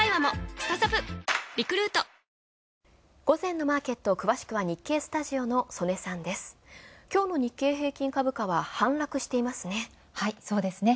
午前のマーケット、詳しくは日経スタジオの曽根さんです。